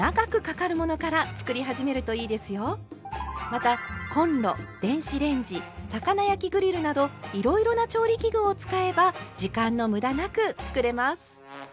またコンロ電子レンジ魚焼きグリルなどいろいろな調理器具を使えば時間のむだなく作れます。